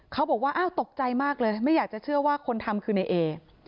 เขาบอกว่าอ้าวตกใจมากเลยไม่อยากจะเชื่อว่าคนทำคือในเอ